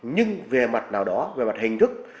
nhưng về mặt nào đó về mặt hình thức